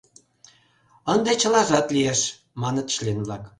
Ынде чылажат лиеш, — маныт член-влак.